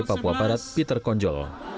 papua barat peter konjol